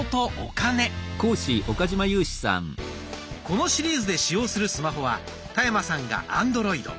このシリーズで使用するスマホは田山さんがアンドロイド。